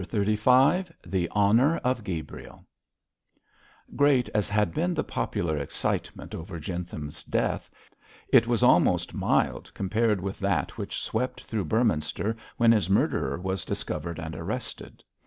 CHAPTER XXXV THE HONOUR OF GABRIEL Great as had been the popular excitement over Jentham's death, it was almost mild compared with that which swept through Beorminster when his murderer was discovered and arrested.